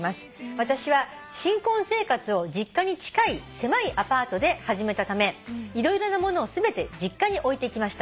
「私は新婚生活を実家に近い狭いアパートで始めたため色々な物を全て実家に置いてきました」